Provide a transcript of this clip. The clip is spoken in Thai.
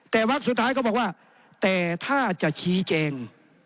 แต่วักสุดท้ายก็บอกว่าแต่ถ้าจะชี้แจง